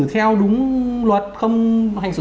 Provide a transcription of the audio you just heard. theo đúng luật không hành xử